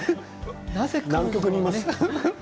南極にいます。